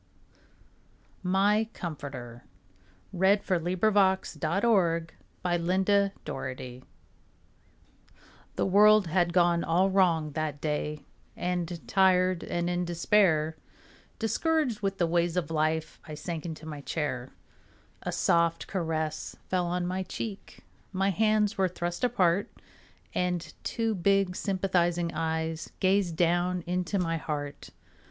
MY COMFORTER The world had all gone wrong that day And tired and in despair, Discouraged with the ways of life, I sank into my chair. A soft caress fell on my cheek, My hands were thrust apart. And two big sympathizing eyes Gazed down into my heart.